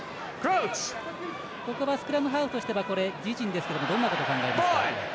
ここはスクラムハーフとしては自陣ですが、どんなことを考えますか？